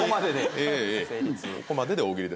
ここまでで大喜利。